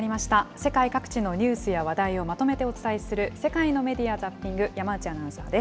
世界各地のニュースや話題をまとめてお伝えする、世界のメディア・ザッピング、山内アナウンサーです。